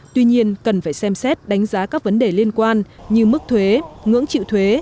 tuy nhiên cần phải xem xét đánh giá các vấn đề liên quan như mức thuế ngưỡng chịu thuế